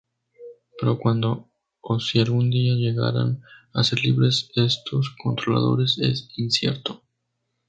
Pero cuándo, o si algún día llegarán a ser libres estos controladores es incierto.